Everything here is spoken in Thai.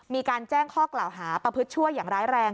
มีการแจ้งข้อกล่าวหาประพฤติชั่วอย่างร้ายแรง